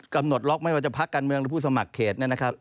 กำหนดล็อกไม่ว่าจะพักการเมืองหรือผู้สมัครเขตนะครับ